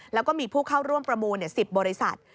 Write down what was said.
แล้วก็มีผู้เข้าร่วมประมูล๑๐บริษัท